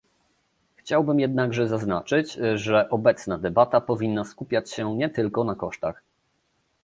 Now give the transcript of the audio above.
Chciałbym jednakże zaznaczyć, że obecna debata powinna skupiać się nie tylko na kosztach